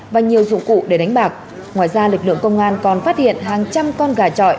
và nhiều dụng cụ để đánh bạc ngoài ra lực lượng công an còn phát hiện hàng trăm con gà trọi